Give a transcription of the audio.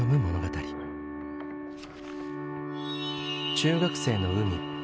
中学生の海未。